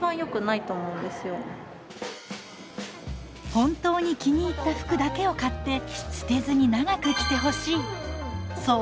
本当に気に入った服だけを買って捨てずに長く着てほしい。